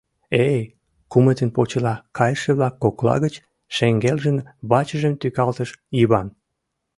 — Эй! — кумытын почела кайыше-влак кокла гыч шеҥгелжын вачыжым тӱкалтыш Йыван.